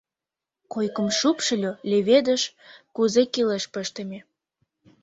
Койкым шупшыльо, леведыш «кузе кӱлеш» пыштыме.